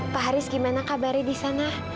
pak haris gimana kabarnya disana